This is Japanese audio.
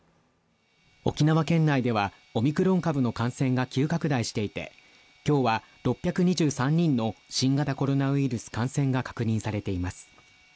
沖縄県内ではオミクロン株の感染が急拡大していて今日は６２３人の新型コロナウイルス感染が確認されています。